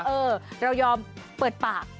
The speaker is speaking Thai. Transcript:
เออเรายอมเปิดปาก